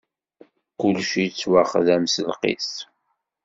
Kullec yettwaxdem s lqis.